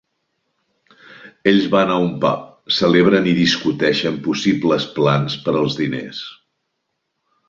Ells van a un pub, celebren i discuteixen possibles plans per als diners.